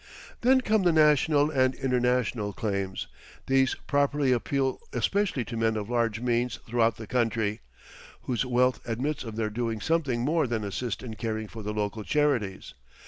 Then come the national and international claims. These properly appeal especially to men of large means throughout the country, whose wealth admits of their doing something more than assist in caring for the local charities.